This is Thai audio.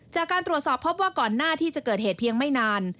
จากการตรวจสอบพบว่าก่อนหน้าที่จะเกิดเหตุเพียงไม่นาน